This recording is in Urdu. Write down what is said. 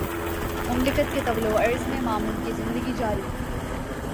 مملکت کے طول وعرض میں معمول کی زندگی جاری ہے۔